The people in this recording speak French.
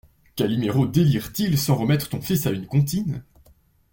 Caliméro délire-t-il sans remettre ton fil à une comptine?